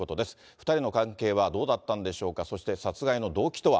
２人の関係はどうだったんでしょうか、そして殺害の動機とは。